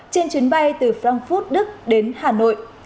trên chuyến bay từ frankfurt đức đến hà nội